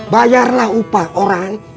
bayarlah upah orang